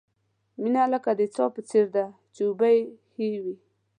مینه لکه د څاه په څېر ده، چې اوبه یې ښې وي.